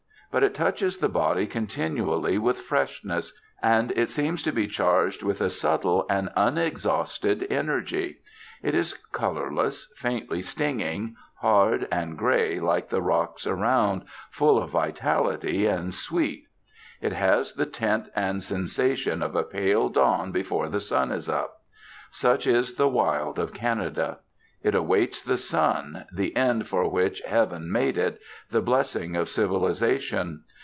But it touches the body continually with freshness, and it seems to be charged with a subtle and unexhausted energy. It is colourless, faintly stinging, hard and grey, like the rocks around, full of vitality, and sweet. It has the tint and sensation of a pale dawn before the sun is up. Such is the wild of Canada. It awaits the sun, the end for which Heaven made it, the blessing of civilisation.